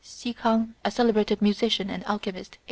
Chi K'ang, a cele brated musician and alchemist (A.